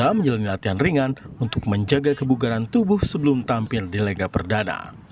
mereka menjalani latihan ringan untuk menjaga kebugaran tubuh sebelum tampil di laga perdana